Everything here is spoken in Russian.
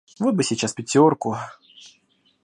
Вот бы сейчас пятерку!